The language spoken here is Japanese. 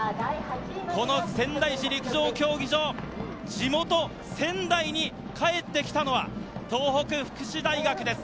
この仙台市陸上競技場、地元・仙台に帰ってきたのは東北福祉大学です。